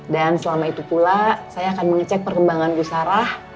dan selama itu pula saya akan mengecek perkembangan bu sarah